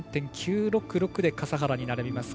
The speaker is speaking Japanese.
１３．９６６で笠原に並びます。